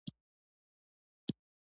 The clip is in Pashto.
ایا زه باید چلم وڅکوم؟